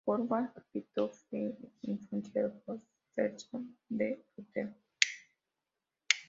Wolfgang Capito fue influenciado por el sermón de Lutero.